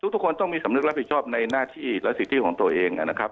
ทุกคนต้องมีสำนึกรับผิดชอบในหน้าที่และสิทธิของตัวเองนะครับ